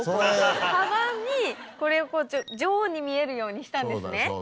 かばんに錠に見えるようにしたんですね